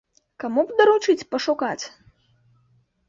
Каму б даручыць пашукаць?